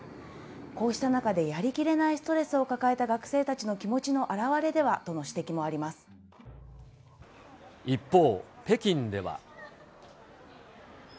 こうした中で、やりきれないストレスを抱えた学生たちの気持ちの表れではとの指一方、北京では。